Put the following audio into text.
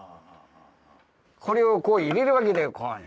これをこう入れるわけだよこう。